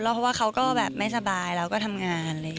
เพราะว่าเขาก็แบบไม่สบายแล้วก็ทำงานเลย